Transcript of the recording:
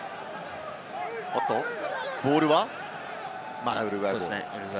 おっと、ボールはまだウルグアイボール。